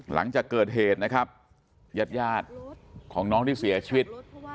หลังจากเกิดเหตุนะครับญาติยาดของน้องที่เสียชีวิต